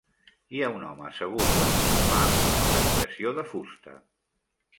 Hi ha un home assegut en un sofà en una habitació de fusta.